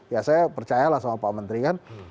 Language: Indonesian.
ya saya percaya lah sama pak menteri kan